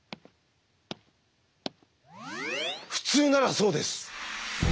普通ならそうです。